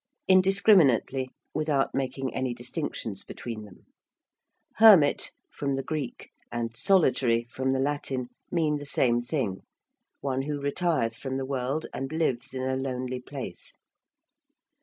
~Indiscriminately~: without making any distinctions between them. ~hermit~, from the Greek, and ~solitary~, from the Latin, mean the same thing one who retires from the world and lives in a lonely place.